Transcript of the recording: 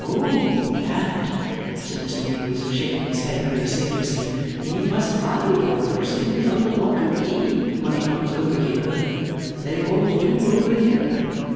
'Oh, egad!' said Mr Meagles, shaking his head very seriously, 'he must hide all those things under lock and key when he comes over here. They won't do over here.